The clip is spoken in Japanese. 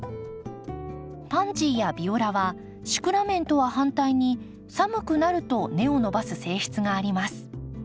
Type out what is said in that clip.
パンジーやビオラはシクラメンとは反対に寒くなると根を伸ばす性質があります。